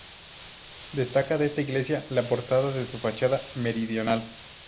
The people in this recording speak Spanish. Destaca de esta iglesia la portada de su fachada meridional.